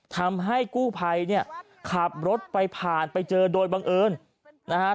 ทำให้กู้ภัยเนี่ยขับรถไปผ่านไปเจอโดยบังเอิญนะฮะ